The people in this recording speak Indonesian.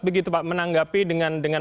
begitu pak menanggapi dengan